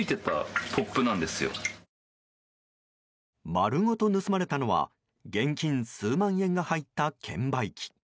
丸ごと盗まれたのは現金数万円が入った券売機。